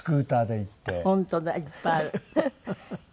本当だいっぱいある。